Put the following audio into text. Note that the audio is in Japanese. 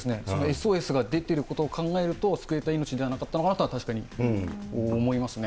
ＳＯＳが出ていることを考えると、救えた命ではなかったのかなと、確かに思いますね。